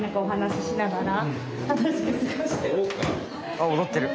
あっ踊ってる。